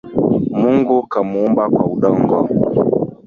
Mungu kamuumba kwa udongo